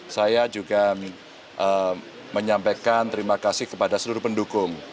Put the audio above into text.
saya juga menyampaikan terima kasih kepada seluruh pendukung